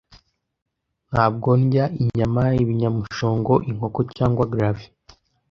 Ntabwo ndya inyama, ibinyamushongo, inkoko cyangwa gravy.